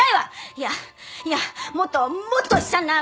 いやいやもっともっと悲惨な。